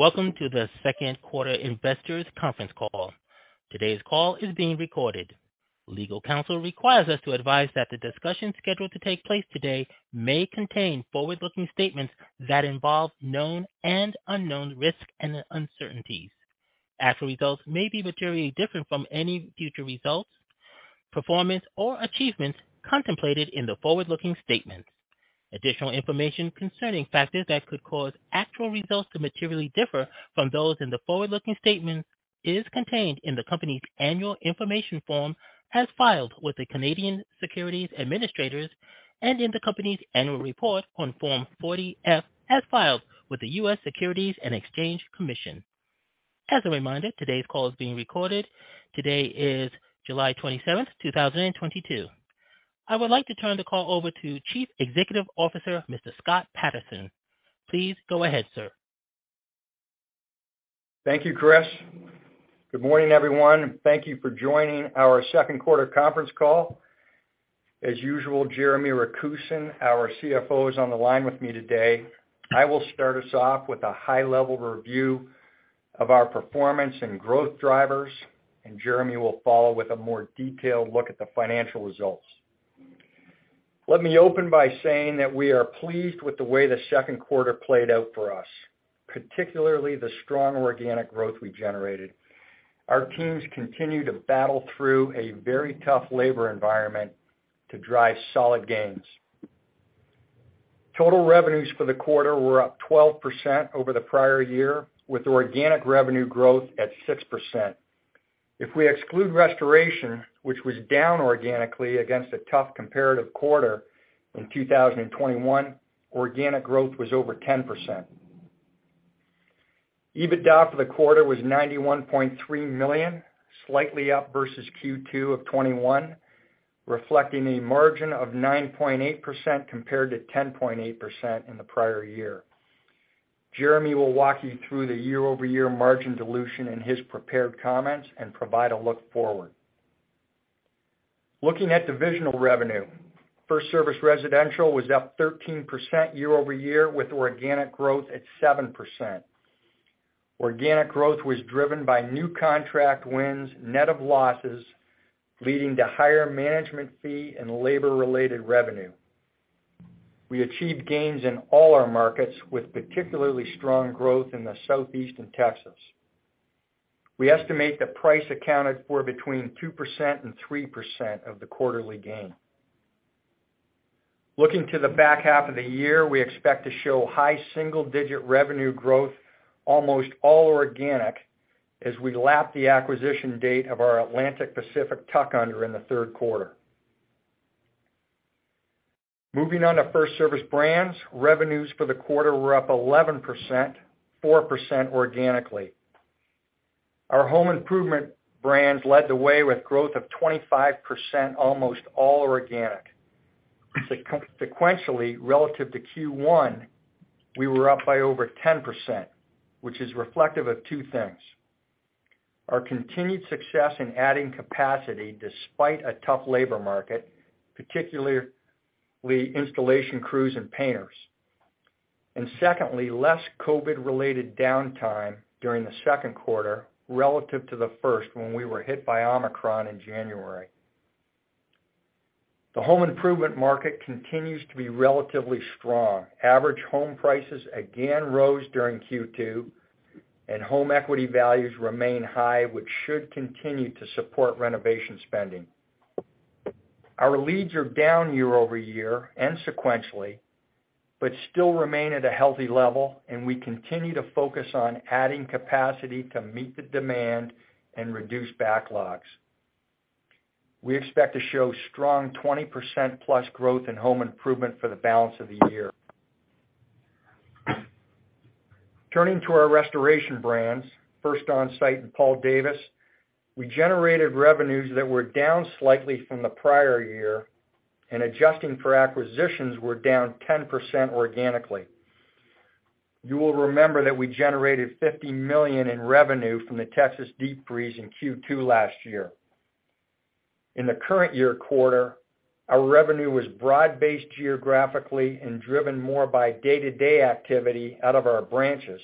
Welcome to the second quarter investors conference call. Today's call is being recorded. Legal counsel requires us to advise that the discussion scheduled to take place today may contain forward-looking statements that involve known and unknown risks and uncertainties. Actual results may be materially different from any future results, performance, or achievements contemplated in the forward-looking statements. Additional information concerning factors that could cause actual results to materially differ from those in the forward-looking statements is contained in the company's annual information form, as filed with the Canadian Securities Administrators, and in the company's annual report on Form 40-F, as filed with the U.S. Securities and Exchange Commission. As a reminder, today's call is being recorded. Today is July 27th, 2022. I would like to turn the call over to Chief Executive Officer, Mr. Scott Patterson. Please go ahead, sir. Thank you, Chris. Good morning, everyone, and thank you for joining our second quarter conference call. As usual, Jeremy Rakusin, our CFO, is on the line with me today. I will start us off with a high-level review of our performance and growth drivers, and Jeremy will follow with a more detailed look at the financial results. Let me open by saying that we are pleased with the way the second quarter played out for us, particularly the strong organic growth we generated. Our teams continue to battle through a very tough labor environment to drive solid gains. Total revenues for the quarter were up 12% over the prior year, with organic revenue growth at 6%. If we exclude restoration, which was down organically against a tough comparative quarter in 2021, organic growth was over 10%. EBITDA for the quarter was $91.3 million, slightly up versus Q2 of 2021, reflecting a margin of 9.8% compared to 10.8% in the prior year. Jeremy will walk you through the year-over-year margin dilution in his prepared comments and provide a look forward. Looking at divisional revenue, FirstService Residential was up 13% year-over-year with organic growth at 7%. Organic growth was driven by new contract wins, net of losses, leading to higher management fee and labor-related revenue. We achieved gains in all our markets, with particularly strong growth in the Southeast and Texas. We estimate that price accounted for between 2% and 3% of the quarterly gain. Looking to the back half of the year, we expect to show high single-digit revenue growth, almost all organic, as we lap the acquisition date of our Atlantic Pacific tuck-in in the third quarter. Moving on to FirstService Brands, revenues for the quarter were up 11%, 4% organically. Our home improvement brands led the way with growth of 25%, almost all organic. Sequentially, relative to Q1, we were up by over 10%, which is reflective of two things. Our continued success in adding capacity despite a tough labor market, particularly installation crews and painters. Secondly, less COVID-related downtime during the second quarter relative to the first when we were hit by Omicron in January. The home improvement market continues to be relatively strong. Average home prices again rose during Q2, and home equity values remain high, which should continue to support renovation spending. Our leads are down year-over-year and sequentially, but still remain at a healthy level, and we continue to focus on adding capacity to meet the demand and reduce backlogs. We expect to show strong 20%+ growth in home improvement for the balance of the year. Turning to our restoration brands, First Onsite and Paul Davis, we generated revenues that were down slightly from the prior year and adjusting for acquisitions were down 10% organically. You will remember that we generated $50 million in revenue from the Texas deep freeze in Q2 last year. In the current year quarter, our revenue was broad-based geographically and driven more by day-to-day activity out of our branches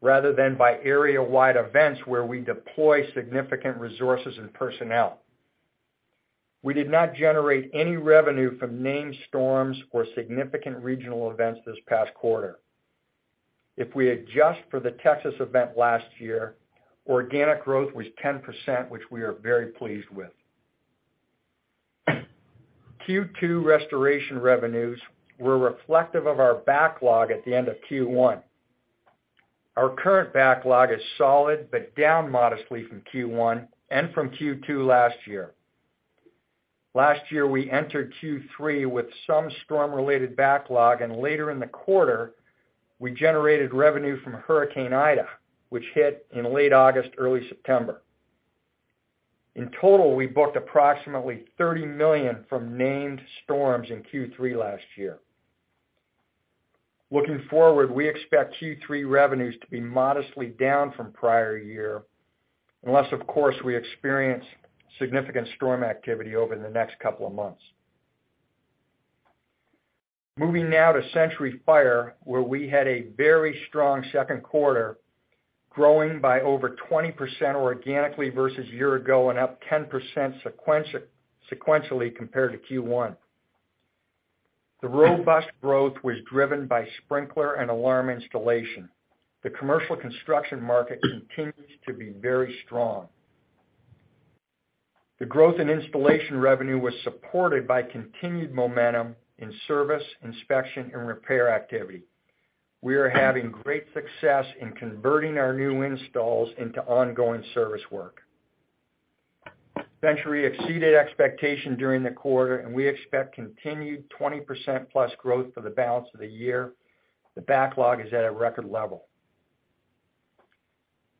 rather than by area-wide events where we deploy significant resources and personnel. We did not generate any revenue from named storms or significant regional events this past quarter. If we adjust for the Texas event last year, organic growth was 10%, which we are very pleased with. Q2 restoration revenues were reflective of our backlog at the end of Q1. Our current backlog is solid but down modestly from Q1 and from Q2 last year. Last year, we entered Q3 with some storm-related backlog, and later in the quarter, we generated revenue from Hurricane Ida, which hit in late August, early September. In total, we booked approximately $30 million from named storms in Q3 last year. Looking forward, we expect Q3 revenues to be modestly down from prior year, unless, of course, we experience significant storm activity over the next couple of months. Moving now to Century Fire, where we had a very strong second quarter, growing by over 20% organically versus year ago and up 10% sequentially compared to Q1. The robust growth was driven by sprinkler and alarm installation. The commercial construction market continues to be very strong. The growth in installation revenue was supported by continued momentum in service, inspection, and repair activity. We are having great success in converting our new installs into ongoing service work. Century exceeded expectation during the quarter, and we expect continued 20%+ growth for the balance of the year. The backlog is at a record level.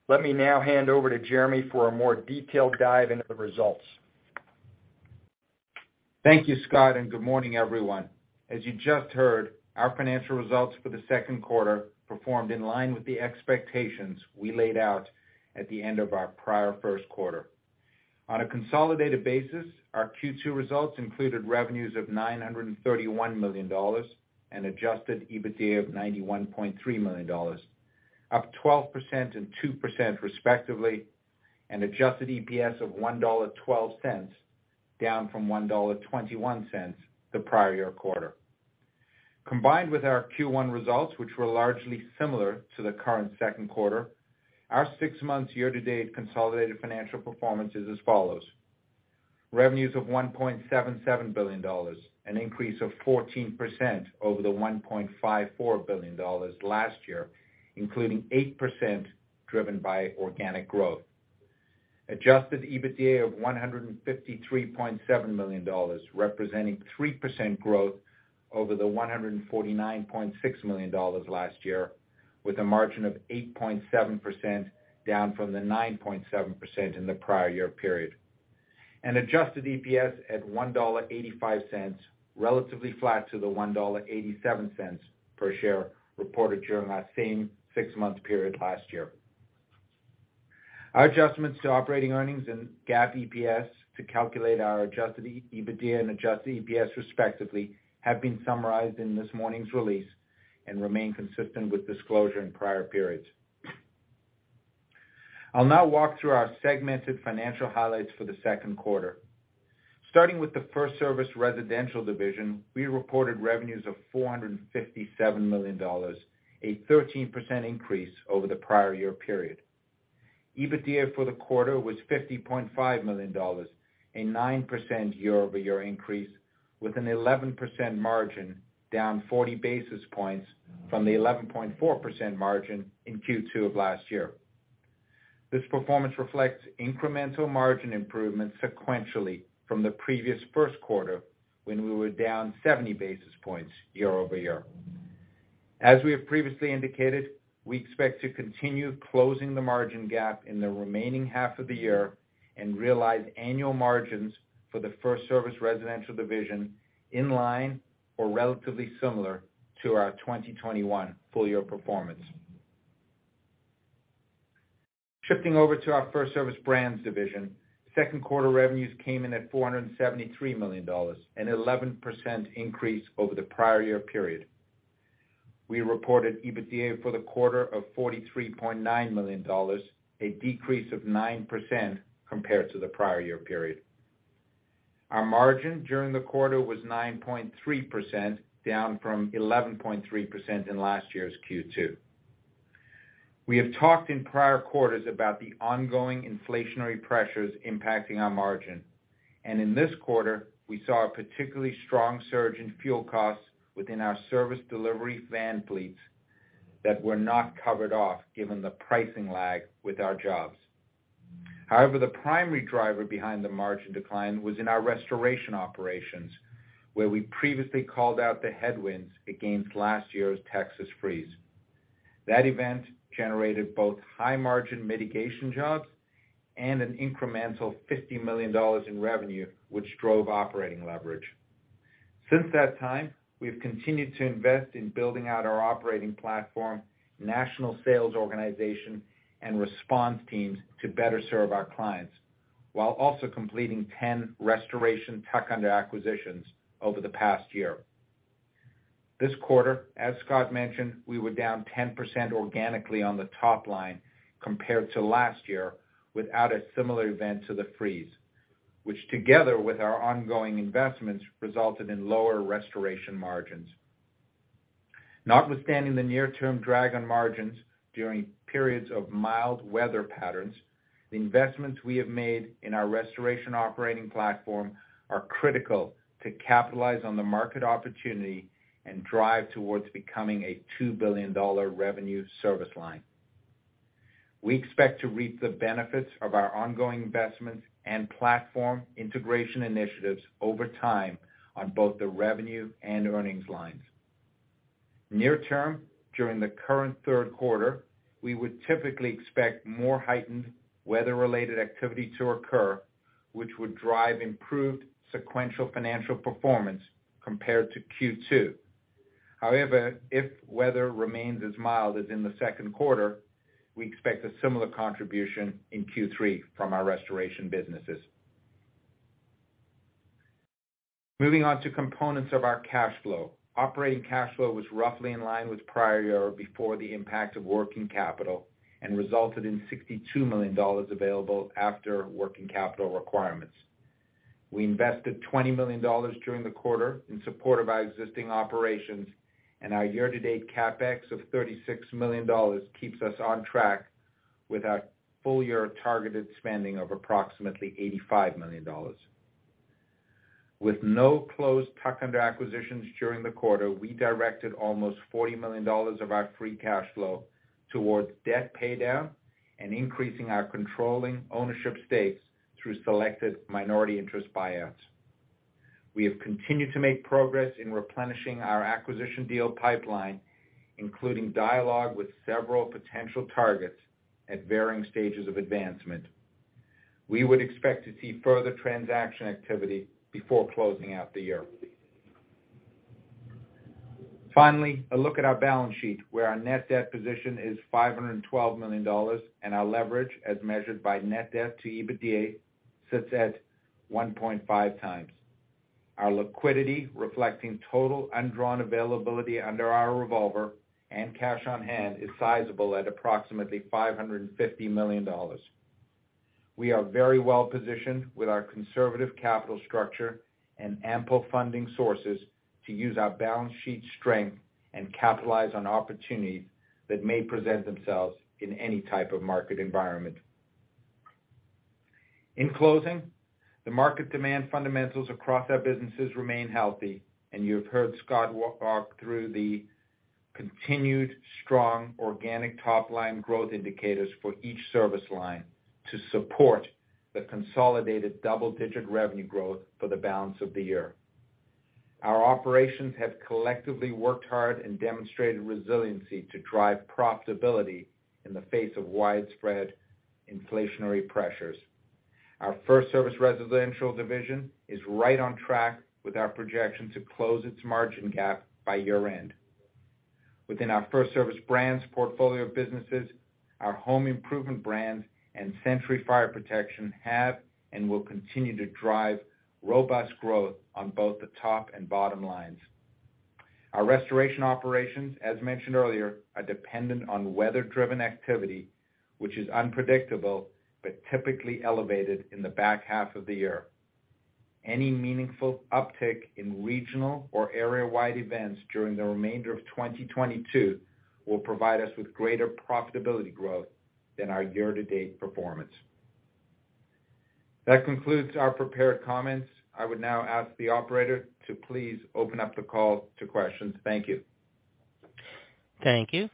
Let me now hand over to Jeremy for a more detailed dive into the results. Thank you, Scott, and good morning, everyone. As you just heard, our financial results for the second quarter performed in line with the expectations we laid out at the end of our prior first quarter. On a consolidated basis, our Q2 results included revenues of $931 million and adjusted EBITDA of $91.3 million, up 12% and 2% respectively, and adjusted EPS of $1.12, down from $1.21 the prior year quarter. Combined with our Q1 results, which were largely similar to the current second quarter, our six months year-to-date consolidated financial performance is as follows. Revenues of $1.77 billion, an increase of 14% over the $1.54 billion last year, including 8% driven by organic growth. Adjusted EBITDA of $153.7 million, representing 3% growth over the $149.6 million last year, with a margin of 8.7%, down from the 9.7% in the prior year period. Adjusted EPS at $1.85, relatively flat to the $1.87 per share reported during that same six-month period last year. Our adjustments to operating earnings and GAAP EPS to calculate our adjusted EBITDA and adjusted EPS respectively have been summarized in this morning's release and remain consistent with disclosure in prior periods. I'll now walk through our segmented financial highlights for the second quarter. Starting with the FirstService Residential division, we reported revenues of $457 million, a 13% increase over the prior year period. EBITDA for the quarter was $50.5 million, a 9% year-over-year increase with an 11% margin, down 40 basis points from the 11.4% margin in Q2 of last year. This performance reflects incremental margin improvement sequentially from the previous first quarter, when we were down 70 basis points year-over-year. As we have previously indicated, we expect to continue closing the margin gap in the remaining half of the year and realize annual margins for the FirstService Residential division in line or relatively similar to our 2021 full year performance. Shifting over to our FirstService Brands division, second quarter revenues came in at $473 million, an 11% increase over the prior year period. We reported EBITDA for the quarter of $43.9 million, a decrease of 9% compared to the prior year period. Our margin during the quarter was 9.3%, down from 11.3% in last year's Q2. We have talked in prior quarters about the ongoing inflationary pressures impacting our margin, and in this quarter, we saw a particularly strong surge in fuel costs within our service delivery van fleets that were not covered off given the pricing lag with our jobs. However, the primary driver behind the margin decline was in our restoration operations, where we previously called out the headwinds against last year's Texas Freeze. That event generated both high margin mitigation jobs and an incremental $50 million in revenue, which drove operating leverage. Since that time, we've continued to invest in building out our operating platform, national sales organization, and response teams to better serve our clients, while also completing 10 restoration tuck-under acquisitions over the past year. This quarter, as Scott mentioned, we were down 10% organically on the top line compared to last year without a similar event to the Freeze, which together with our ongoing investments, resulted in lower restoration margins. Notwithstanding the near-term drag on margins during periods of mild weather patterns, the investments we have made in our restoration operating platform are critical to capitalize on the market opportunity and drive towards becoming a $2 billion revenue service line. We expect to reap the benefits of our ongoing investments and platform integration initiatives over time on both the revenue and earnings lines. Near-term, during the current third quarter, we would typically expect more heightened weather-related activity to occur, which would drive improved sequential financial performance compared to Q2. However, if weather remains as mild as in the second quarter, we expect a similar contribution in Q3 from our restoration businesses. Moving on to components of our cash flow. Operating cash flow was roughly in line with prior year before the impact of working capital and resulted in $62 million available after working capital requirements. We invested $20 million during the quarter in support of our existing operations, and our year-to-date CapEx of $36 million keeps us on track with our full year targeted spending of approximately $85 million. With no closed tuck-under acquisitions during the quarter, we directed almost $40 million of our free cash flow towards debt pay down and increasing our controlling ownership stakes through selected minority interest buyouts. We have continued to make progress in replenishing our acquisition deal pipeline, including dialogue with several potential targets at varying stages of advancement. We would expect to see further transaction activity before closing out the year. Finally, a look at our balance sheet where our net debt position is $512 million, and our leverage, as measured by net debt to EBITDA, sits at 1.5x. Our liquidity, reflecting total undrawn availability under our revolver and cash on hand, is sizable at approximately $550 million. We are very well-positioned with our conservative capital structure and ample funding sources to use our balance sheet strength and capitalize on opportunities that may present themselves in any type of market environment. In closing, the market demand fundamentals across our businesses remain healthy. You've heard Scott walk through the continued strong organic top line growth indicators for each service line to support the consolidated double-digit revenue growth for the balance of the year. Our operations have collectively worked hard and demonstrated resiliency to drive profitability in the face of widespread inflationary pressures. Our FirstService Residential division is right on track with our projection to close its margin gap by year end. Within our FirstService Brands portfolio of businesses, our home improvement brands and Century Fire Protection have and will continue to drive robust growth on both the top and bottom lines. Our restoration operations, as mentioned earlier, are dependent on weather-driven activity, which is unpredictable but typically elevated in the back half of the year. Any meaningful uptick in regional or area-wide events during the remainder of 2022 will provide us with greater profitability growth than our year-to-date performance. That concludes our prepared comments. I would now ask the operator to please open up the call to questions. Thank you. Thank you.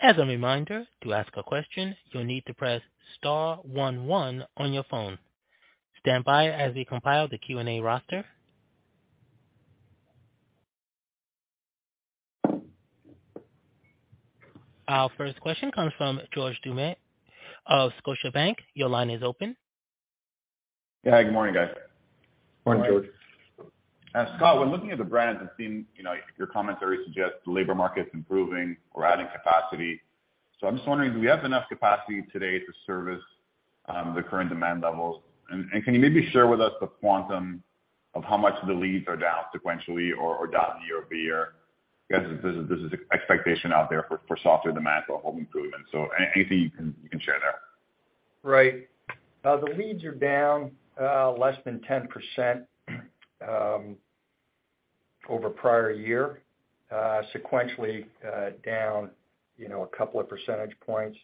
As a reminder, to ask a question, you'll need to press star one one on your phone. Stand by as we compile the Q&A roster. Our first question comes from George Doumet of Scotiabank. Your line is open. Yeah, good morning, guys. Morning, George. Scott, when looking at the brands, it seems, you know, your commentary suggests the labor market's improving, we're adding capacity. I'm just wondering, do we have enough capacity today to service the current demand levels? And can you maybe share with us the quantum of how much the leads are down sequentially or down year-over-year? Because there's an expectation out there for softer demand for home improvement. Anything you can share there? Right. The leads are down less than 10% over prior year. Sequentially down, you know, a couple of percentage points.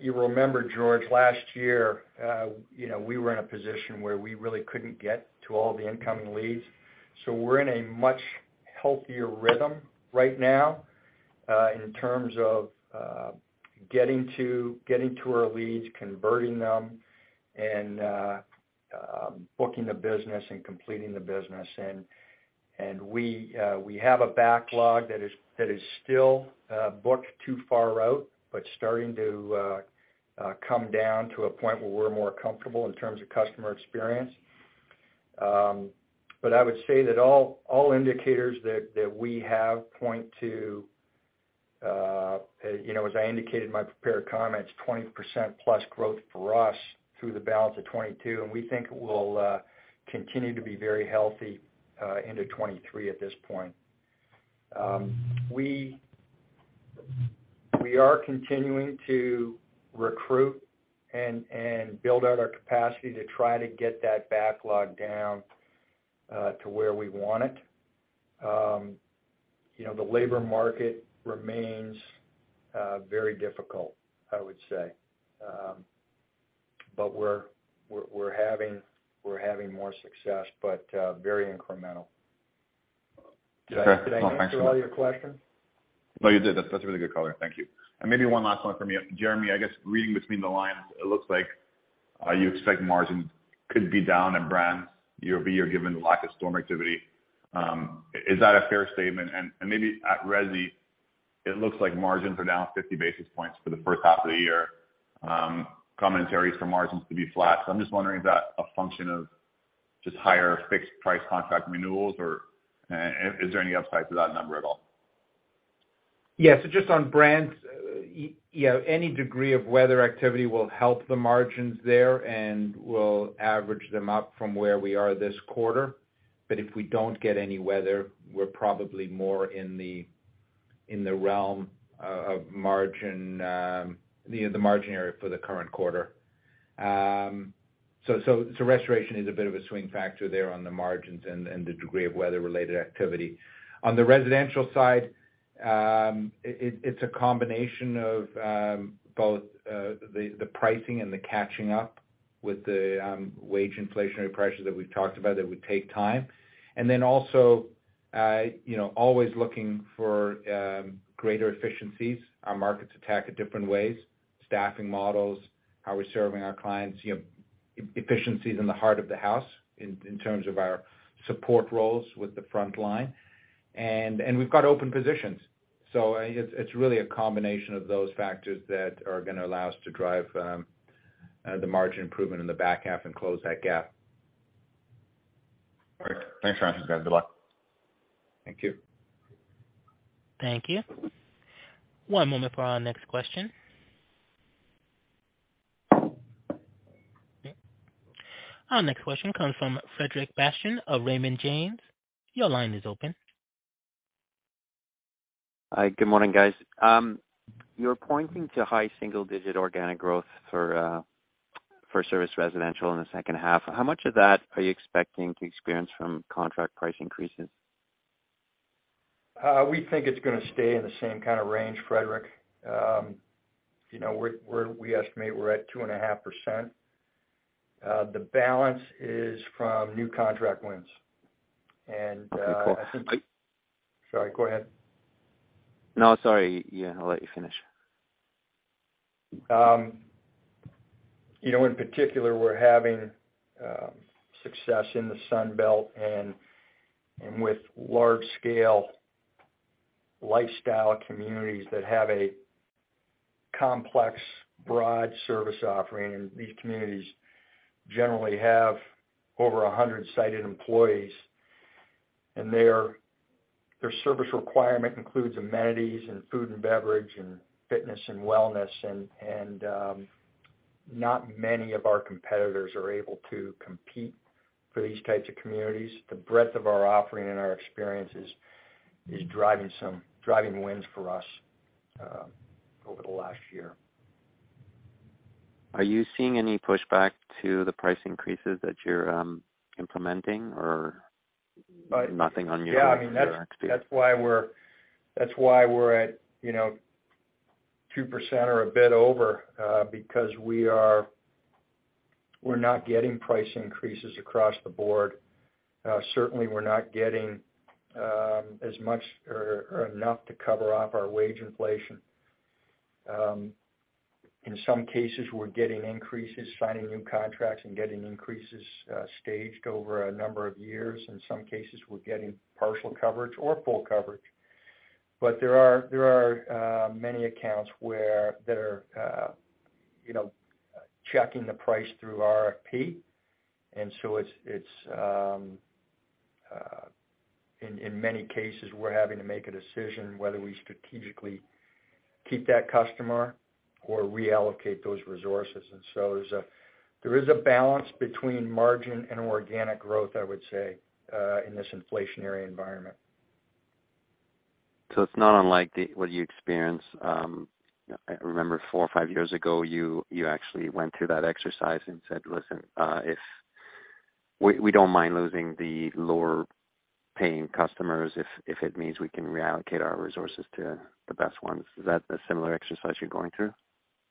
You remember, George, last year, you know, we were in a position where we really couldn't get to all the incoming leads. We're in a much healthier rhythm right now in terms of getting to our leads, converting them, and booking the business and completing the business. We have a backlog that is still booked too far out, but starting to come down to a point where we're more comfortable in terms of customer experience. I would say that all indicators that we have point to, you know, as I indicated in my prepared comments, 20%+ growth for us through the balance of 2022, and we think it will continue to be very healthy into 2023 at this point. We are continuing to recruit and build out our capacity to try to get that backlog down to where we want it. You know, the labor market remains very difficult, I would say. We're having more success, but very incremental. Okay. No, thanks, Scott. Did I answer all your questions? No, you did. That's a really good color. Thank you. Maybe one last one for me. Jeremy, I guess reading between the lines, it looks like you expect margins could be down at Brands year-over-year, given the lack of storm activity. Is that a fair statement? Maybe at Resi, it looks like margins are down 50 basis points for the first half of the year. Commentary is for margins to be flat. I'm just wondering is that a function of just higher fixed price contract renewals or is there any upside to that number at all? Just on Brands, you know, any degree of weather activity will help the margins there and will average them up from where we are this quarter. If we don't get any weather, we're probably more in the realm of margin, you know, the margin area for the current quarter. Restoration is a bit of a swing factor there on the margins and the degree of weather-related activity. On the Residential side, it's a combination of both the pricing and the catching up with the wage inflationary pressures that we've talked about that would take time. Then also, you know, always looking for greater efficiencies. Our markets tackle it in different ways, staffing models, how we're serving our clients, you know, efficiencies in the back of the house in terms of our support roles with the front line. We've got open positions. I think it's really a combination of those factors that are gonna allow us to drive the margin improvement in the back half and close that gap. All right. Thanks, Scott. Good luck. Thank you. Thank you. One moment for our next question. Our next question comes from Frederic Bastien of Raymond James. Your line is open. Hi. Good morning, guys. You're pointing to high single-digit organic growth for FirstService Residential in the second half. How much of that are you expecting to experience from contract price increases? We think it's gonna stay in the same kind of range, Frederic. We estimate we're at 2.5%. The balance is from new contract wins. Okay, cool. Sorry, go ahead. No, sorry. Yeah, I'll let you finish. You know, in particular, we're having success in the Sun Belt and with large-scale lifestyle communities that have a complex, broad service offering. These communities generally have over 100 on-site employees, and their service requirement includes amenities and food and beverage and fitness and wellness. Not many of our competitors are able to compete for these types of communities. The breadth of our offering and our experiences is driving wins for us over the last year. Are you seeing any pushback to the price increases that you're implementing or nothing on your end? I mean, that's why we're at, you know, 2% or a bit over, because we are not getting price increases across the board. Certainly we're not getting as much or enough to cover our wage inflation. In some cases, we're getting increases, signing new contracts and getting increases staged over a number of years. In some cases, we're getting partial coverage or full coverage. There are many accounts where they're, you know, checking the price through RFP. It's in many cases we're having to make a decision whether we strategically keep that customer or reallocate those resources. There is a balance between margin and organic growth, I would say, in this inflationary environment. It's not unlike what you experienced. I remember four or five years ago, you actually went through that exercise and said, "Listen, we don't mind losing the lower paying customers if it means we can reallocate our resources to the best ones." Is that a similar exercise you're going through?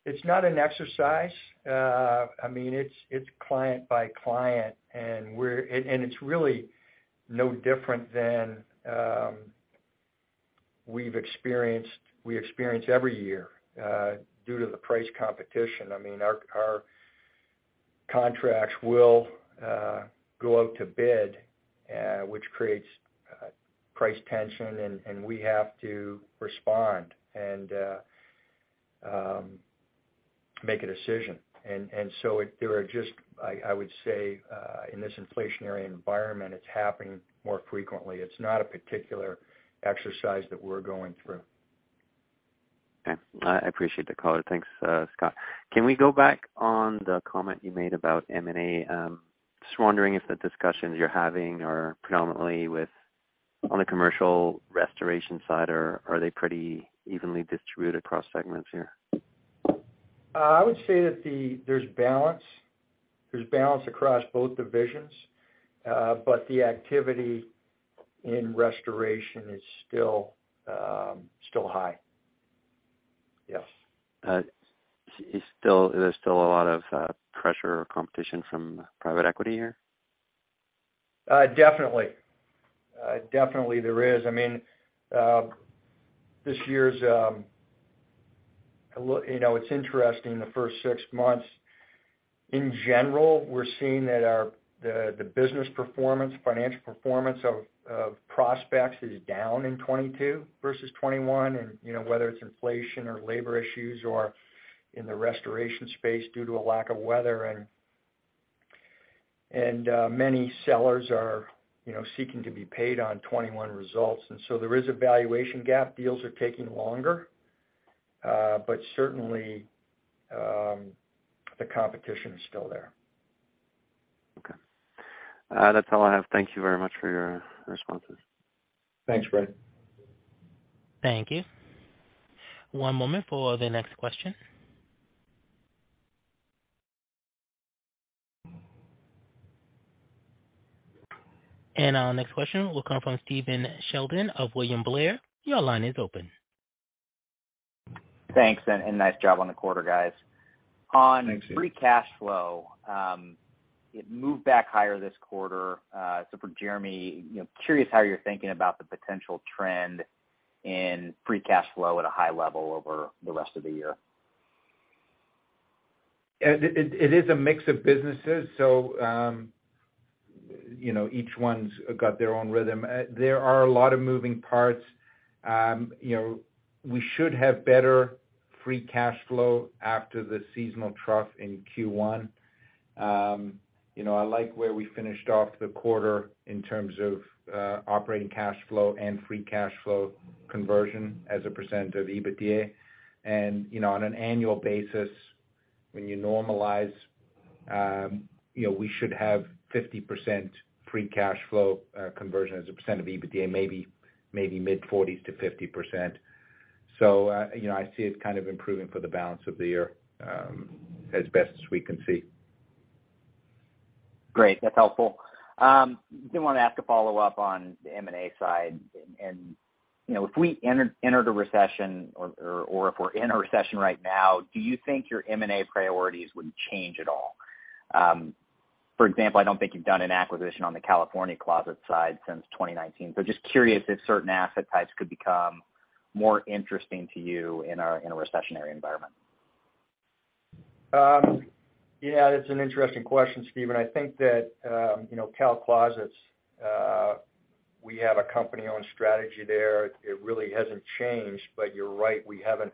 It's not an exercise. I mean, it's client by client, and it's really no different than we experience every year due to the price competition. I mean, our contracts will go out to bid, which creates price tension, and we have to respond and make a decision. There are just, I would say, in this inflationary environment, it's happening more frequently. It's not a particular exercise that we're going through. Okay. I appreciate the color. Thanks, Scott. Can we go back on the comment you made about M&A? Just wondering if the discussions you're having are predominantly with, on the commercial restoration side or are they pretty evenly distributed across segments here? I would say that there's balance across both divisions. The activity in restoration is still high. Yes. Is there still a lot of pressure or competition from private equity here? Definitely there is. I mean, this year's. You know, it's interesting, the first six months in general, we're seeing that the business performance, financial performance of prospects is down in 2022 versus 2021. You know, whether it's inflation or labor issues or in the restoration space due to a lack of weather. Many sellers are, you know, seeking to be paid on 2021 results. There is a valuation gap. Deals are taking longer. But certainly, the competition is still there. Okay. That's all I have. Thank you very much for your responses. Thanks, Frederic. Thank you. One moment for the next question. Our next question will come from Stephen Sheldon of William Blair. Your line is open. Thanks, and nice job on the quarter, guys. Thanks, Stephen. On free cash flow, it moved back higher this quarter. For Jeremy, you know, curious how you're thinking about the potential trend in free cash flow at a high level over the rest of the year? It is a mix of businesses, so you know, each one's got their own rhythm. There are a lot of moving parts. You know, we should have better free cash flow after the seasonal trough in Q1. You know, I like where we finished off the quarter in terms of operating cash flow and free cash flow conversion as a percent of EBITDA. You know, on an annual basis, when you normalize, you know, we should have 50% free cash flow conversion as a percent of EBITDA, maybe mid-40s to 50%. You know, I see it kind of improving for the balance of the year, as best as we can see. Great. That's helpful. Did wanna ask a follow-up on the M&A side. You know, if we enter the recession or if we're in a recession right now, do you think your M&A priorities would change at all? For example, I don't think you've done an acquisition on the California Closets side since 2019. Just curious if certain asset types could become more interesting to you in a recessionary environment. Yeah, that's an interesting question, Stephen. I think that, you know, Cal Closets, we have a company-owned strategy there. It really hasn't changed, but you're right, we haven't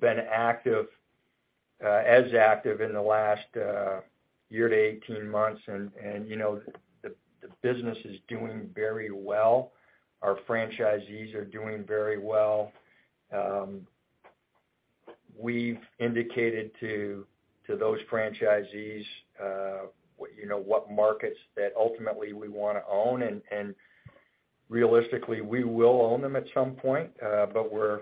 been as active in the last year to 18 months. You know, the business is doing very well. Our franchisees are doing very well. We've indicated to those franchisees, you know, what markets that ultimately we wanna own. Realistically, we will own them at some point. But we're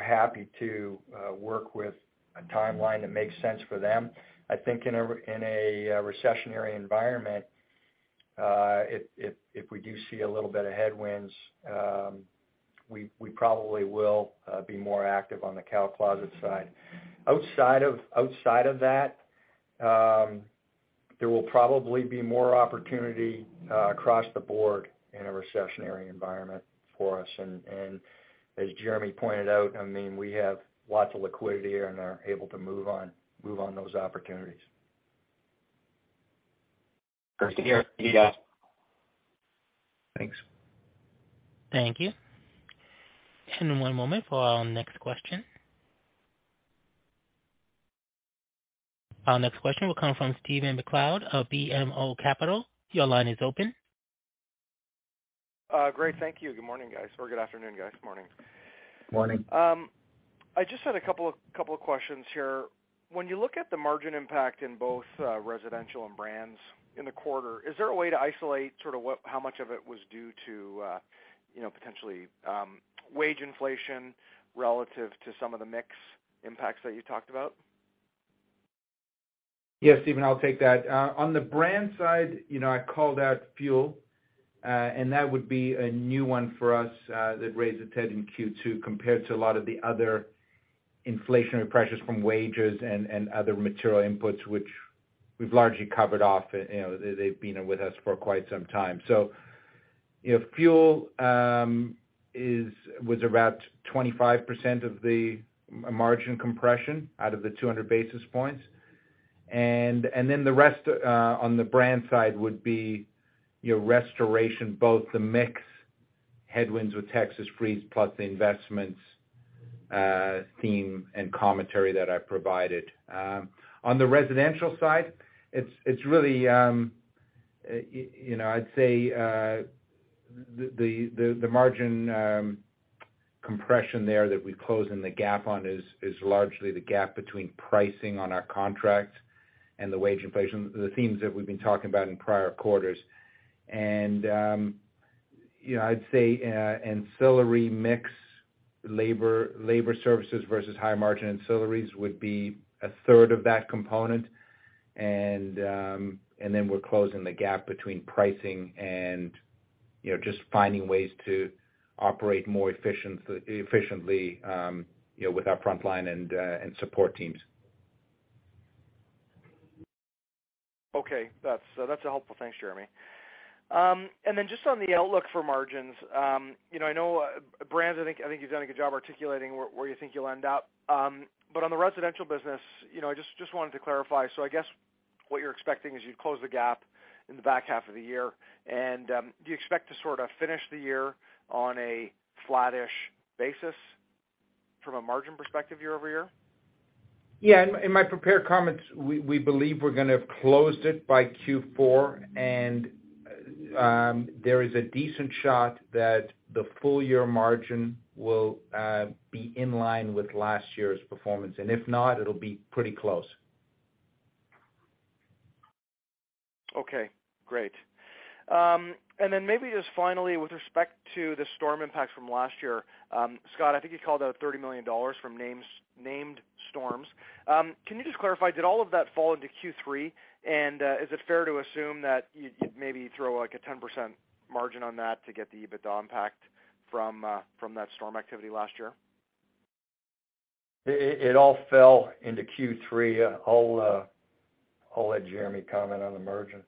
happy to work with a timeline that makes sense for them. I think in a recessionary environment, if we do see a little bit of headwinds, we probably will be more active on the Cal Closets side. Outside of that, there will probably be more opportunity across the board in a recessionary environment for us. As Jeremy pointed out, I mean, we have lots of liquidity and are able to move on those opportunities. Great to hear. Thanks. Thank you. One moment for our next question. Our next question will come from Stephen MacLeod of BMO Capital. Your line is open. Great. Thank you. Good morning, guys, or good afternoon, guys. Morning. Morning. I just had a couple of questions here. When you look at the margin impact in both Residential and Brands in the quarter, is there a way to isolate sort of what, how much of it was due to, you know, potentially wage inflation relative to some of the mix impacts that you talked about? Yeah, Stephen, I'll take that. On the Brands side, you know, I called out fuel, and that would be a new one for us, that raised its head in Q2 compared to a lot of the other inflationary pressures from wages and other material inputs, which we've largely covered off. You know, they've been with us for quite some time. You know, fuel was about 25% of the margin compression out of the 200 basis points. Then the rest on the Brands side would be, you know, restoration, both the mix headwinds with Texas Freeze plus the investments theme and commentary that I provided. On the Residential side, it's really, you know, I'd say the margin compression there that we're closing the gap on is largely the gap between pricing on our contracts and the wage inflation, the themes that we've been talking about in prior quarters. You know, I'd say ancillary mix labor services versus high margin ancillaries would be 1/3 of that component. Then we're closing the gap between pricing and, you know, just finding ways to operate more efficiently, you know, with our frontline and support teams. Okay. That's helpful. Thanks, Jeremy. Just on the outlook for margins, you know, I know Brands. I think you've done a good job articulating where you think you'll end up. On the Residential business, you know, I just wanted to clarify. I guess what you're expecting is you'd close the gap in the back half of the year, and do you expect to sort of finish the year on a flattish basis from a margin perspective year-over-year? Yeah. In my prepared comments, we believe we're gonna have closed it by Q4, and there is a decent shot that the full year margin will be in line with last year's performance, and if not, it'll be pretty close. Okay, great. Maybe just finally with respect to the storm impact from last year, Scott, I think you called out $30 million from named storms. Can you just clarify, did all of that fall into Q3? Is it fair to assume that you'd maybe throw like a 10% margin on that to get the EBITDA impact from that storm activity last year? It all fell into Q3. I'll let Jeremy comment on the margin.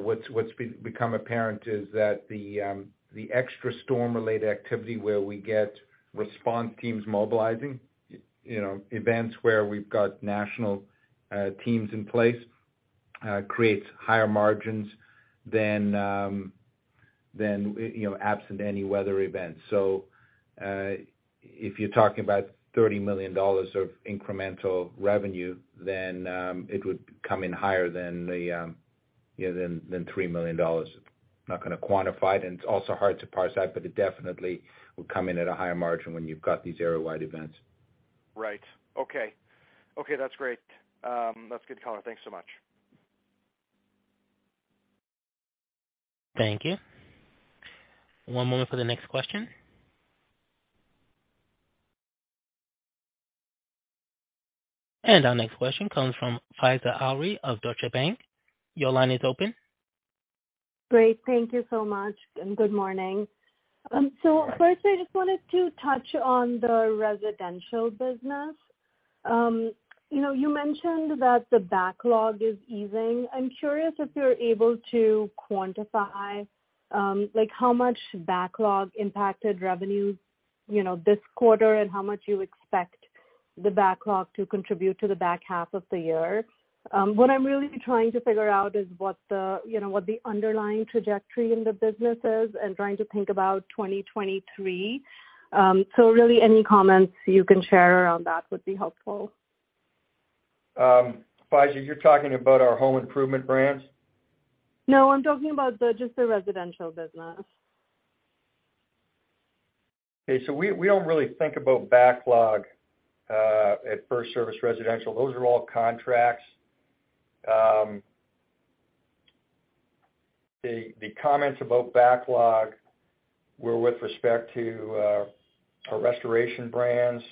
What's become apparent is that the extra storm-related activity where we get response teams mobilizing, you know, events where we've got national teams in place creates higher margins than, you know, absent any weather events. If you're talking about $30 million of incremental revenue, then it would come in higher than the, yeah, than $3 million. Not gonna quantify it, and it's also hard to parse that, but it definitely will come in at a higher margin when you've got these area-wide events. Right. Okay, that's great. That's good color. Thanks so much. Thank you. One moment for the next question. Our next question comes from Faiza Alwy of Deutsche Bank. Your line is open. Great. Thank you so much, and good morning. First, I just wanted to touch on the Residential business. You know, you mentioned that the backlog is easing. I'm curious if you're able to quantify, like how much backlog impacted revenue, you know, this quarter, and how much you expect the backlog to contribute to the back half of the year. What I'm really trying to figure out is what the, you know, what the underlying trajectory in the business is and trying to think about 2023. Really any comments you can share around that would be helpful. Faiza, you're talking about our home improvement brands? No, I'm talking about the, just the Residential business. Okay. We don't really think about backlog at FirstService Residential. Those are all contracts. The comments about backlog were with respect to our restoration brands,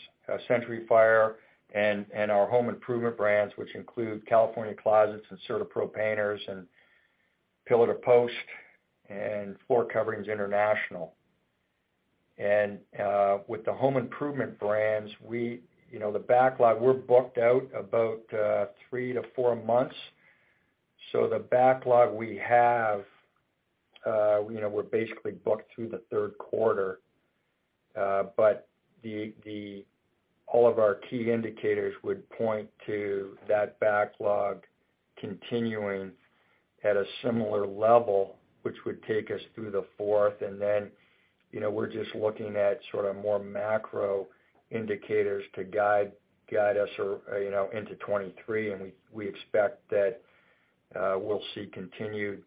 Century Fire and our home improvement brands, which include California Closets and CertaPro Painters and Pillar To Post and Floor Coverings International. With the home improvement brands, you know, the backlog, we're booked out about three to four months. The backlog we have, you know, we're basically booked through the third quarter, all of our key indicators would point to that backlog continuing at a similar level, which would take us through the fourth. We're just looking at sort of more macro indicators to guide us or you know into 2023, and we expect that we'll see continued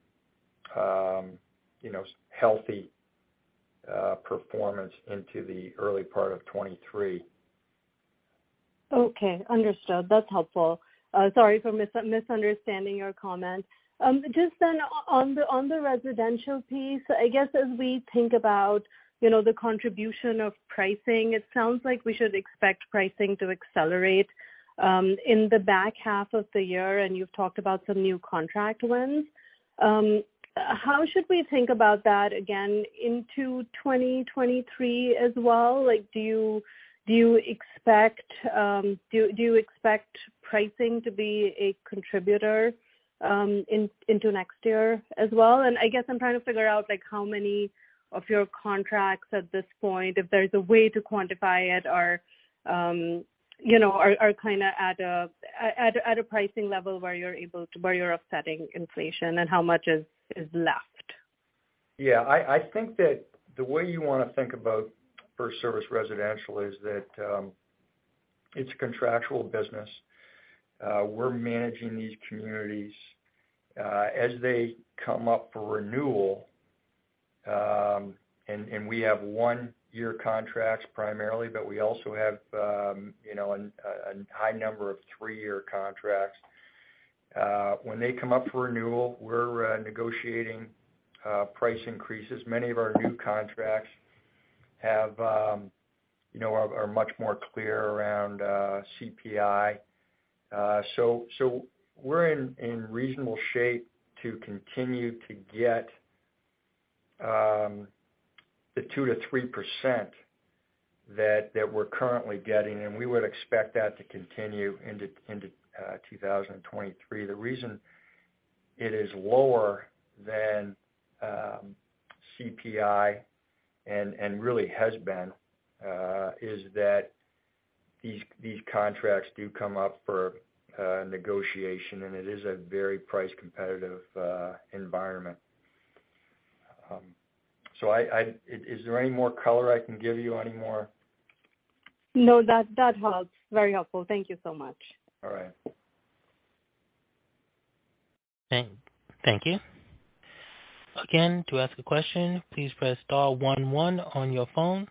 you know healthy performance into the early part of 2023. Okay. Understood. That's helpful. Sorry for misunderstanding your comments. Just then on the Residential piece, I guess, as we think about, you know, the contribution of pricing, it sounds like we should expect pricing to accelerate in the back half of the year, and you've talked about some new contract wins. How should we think about that again into 2023 as well? Like, do you expect pricing to be a contributor into next year as well? I guess I'm trying to figure out like how many of your contracts at this point, if there's a way to quantify it or, you know, are kind of at a pricing level where you're offsetting inflation and how much is left. Yeah. I think that the way you wanna think about FirstService Residential is that, it's a contractual business. We're managing these communities, as they come up for renewal, and we have one-year contracts primarily, but we also have, you know, a high number of three-year contracts. When they come up for renewal, we're negotiating price increases. Many of our new contracts, you know, are much more clear around CPI. So we're in reasonable shape to continue to get the 2%-3% that we're currently getting, and we would expect that to continue into 2023. The reason it is lower than CPI and really has been is that these contracts do come up for negotiation, and it is a very price competitive environment. Is there any more color I can give you, any more? No, that helps. Very helpful. Thank you so much. All right. Thank you. Again, to ask a question, please press star one one on your phone.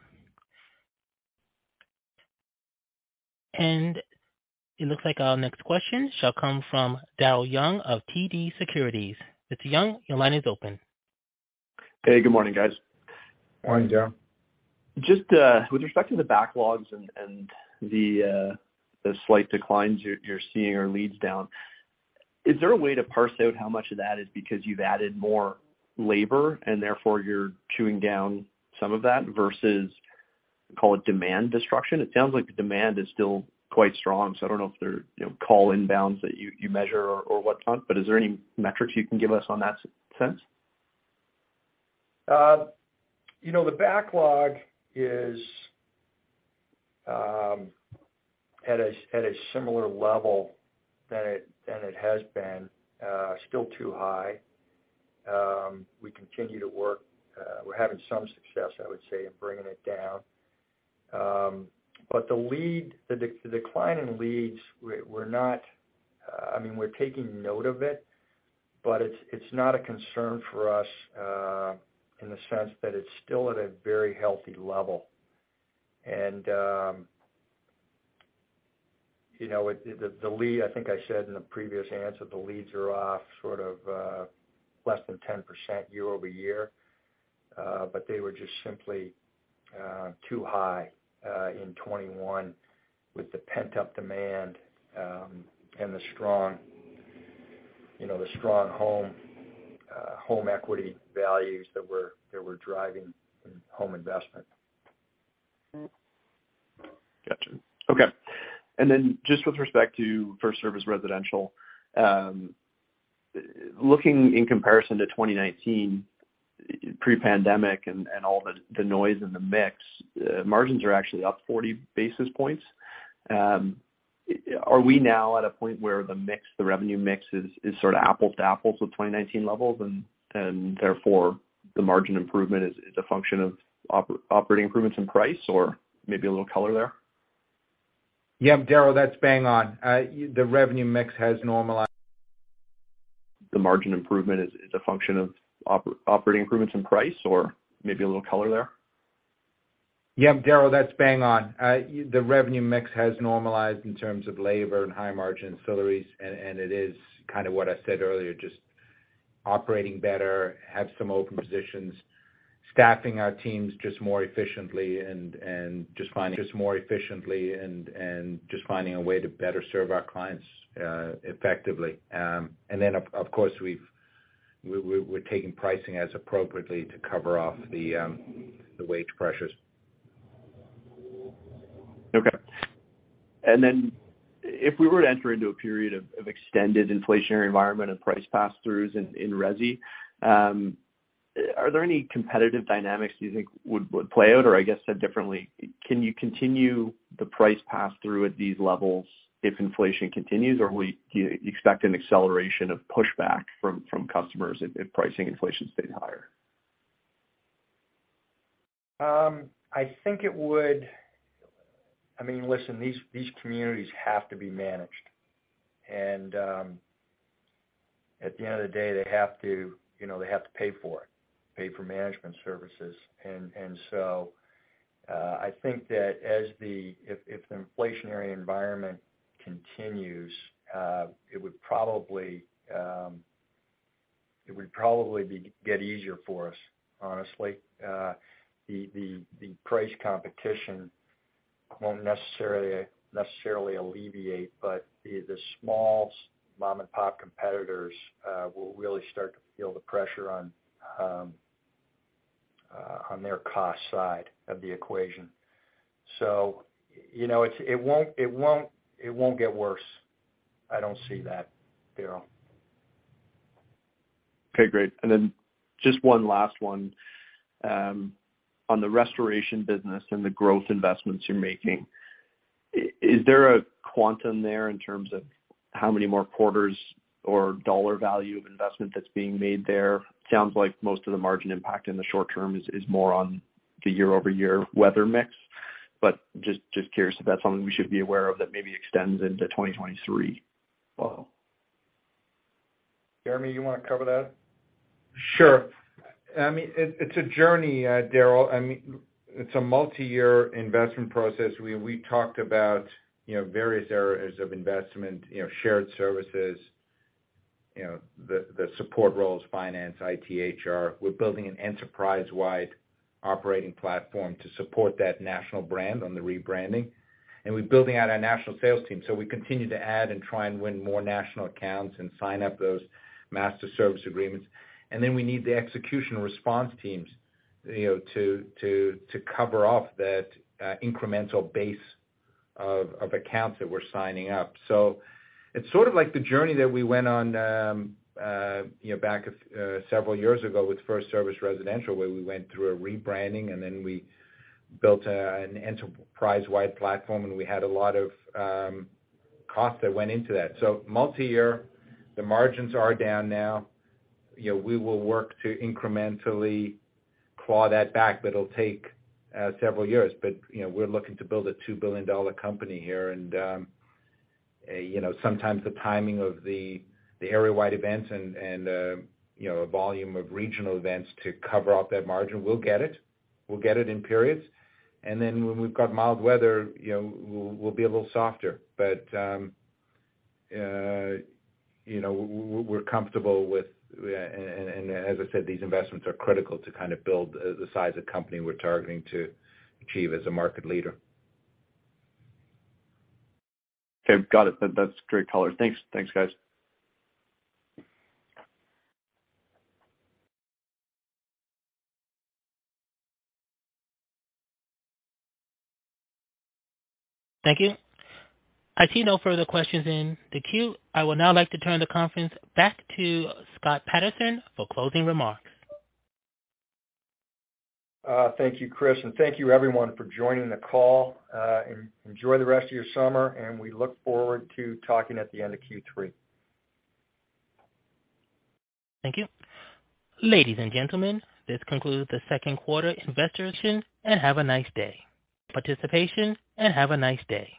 It looks like our next question shall come from Daryl Young of TD Securities. Mr. Young, your line is open. Hey, good morning, guys. Morning, Daryl. Just with respect to the backlogs and the slight declines you're seeing or leads down, is there a way to parse out how much of that is because you've added more labor and therefore you're chewing down some of that versus call it demand destruction? It sounds like the demand is still quite strong, so I don't know if there are, you know, call inbounds that you measure or whatnot, but is there any metrics you can give us on that sense? You know, the backlog is at a similar level than it has been, still too high. We continue to work. We're having some success, I would say, in bringing it down. But the decline in leads we're not—I mean, we're taking note of it, but it's not a concern for us in the sense that it's still at a very healthy level. You know, the leads, I think I said in the previous answer, are off sort of less than 10% year-over-year, but they were just simply too high in 2021 with the pent-up demand, and the strong, you know, the strong home equity values that were driving home investment. Got you. Okay. Just with respect to FirstService Residential, looking in comparison to 2019 pre-pandemic and all the noise in the mix, margins are actually up 40 basis points. Are we now at a point where the mix, the revenue mix is sort of apples to apples with 2019 levels and therefore the margin improvement is a function of operating improvements in price or maybe a little color there? Yeah, Daryl, that's bang on. The revenue mix has normalized in terms of labor and high margin facilities, and it is kind of what I said earlier, just operating better, have some open positions, staffing our teams just more efficiently and just finding a way to better serve our clients effectively. Of course, we're taking pricing appropriately to cover off the wage pressures. Okay. If we were to enter into a period of extended inflationary environment and price pass-throughs in Resi, are there any competitive dynamics you think would play out? Or I guess said differently, can you continue the price pass-through at these levels if inflation continues, or will you expect an acceleration of pushback from customers if pricing inflation stayed higher? I think it would. I mean, listen, these communities have to be managed. At the end of the day, they have to, you know, pay for it, pay for management services. I think that if the inflationary environment continues, it would probably get easier for us, honestly. The price competition won't necessarily alleviate, but the small mom-and-pop competitors will really start to feel the pressure on their cost side of the equation. You know, it won't get worse. I don't see that, Daryl. Okay, great. Just one last one. On the restoration business and the growth investments you're making, is there a quantum there in terms of how many more quarters or dollar value of investment that's being made there? Sounds like most of the margin impact in the short-term is more on the year-over-year weather mix, but just curious if that's something we should be aware of that maybe extends into 2023. Jeremy, you wanna cover that? Sure. I mean, it's a journey, Daryl. I mean, it's a multi-year investment process. We talked about, you know, various areas of investment, you know, shared services, you know, the support roles, finance, IT, HR. We're building an enterprise-wide Operating platform to support that national brand on the rebranding. We're building out our national sales team. We continue to add and try and win more national accounts and sign up those master service agreements. Then we need the execution response teams, you know, to cover off that incremental base of accounts that we're signing up. It's sort of like the journey that we went on, you know, back several years ago with FirstService Residential, where we went through a rebranding and then we built an enterprise-wide platform, and we had a lot of cost that went into that. Multi-year, the margins are down now. You know, we will work to incrementally claw that back, but it'll take several years. You know, we're looking to build a $2 billion company here and sometimes the timing of the area-wide events and a volume of regional events to cover up that margin, we'll get it. We'll get it in periods. When we've got mild weather, you know, we'll be a little softer. You know, we're comfortable with. As I said, these investments are critical to kind of build the size of company we're targeting to achieve as a market leader. Okay. Got it. That's great color. Thanks, guys. Thank you. I see no further questions in the queue. I would now like to turn the conference back to Scott Patterson for closing remarks. Thank you, Chris, and thank you everyone for joining the call. Enjoy the rest of your summer, and we look forward to talking at the end of Q3. Thank you. Ladies and gentlemen, this concludes the second quarter investors presentation, and have a nice day.